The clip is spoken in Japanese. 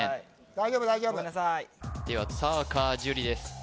大丈夫大丈夫ではサーカー壽梨です